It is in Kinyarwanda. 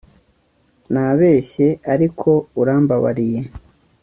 nabeshye, ariko urambabariye